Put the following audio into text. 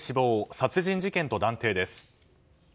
殺人事件と断定です。